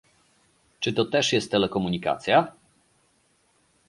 Czy to też jest telekomunikacja?